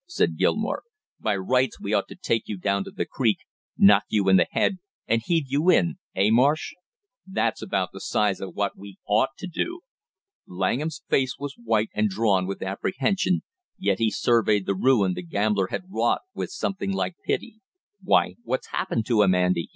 said Gilmore. "By rights we ought to take you down to the creek, knock you in the head and heave you in eh, Marsh? That's about the size of what we ought to do!" Langham's face was white and drawn with apprehension, yet he surveyed the ruin the gambler had wrought with something like pity. "Why, what's happened to him, Andy?"